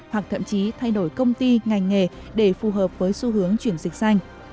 hoặc thậm chí thay đổi công ty ngành nghề để phù hợp với xu hướng chuyển dịch xanh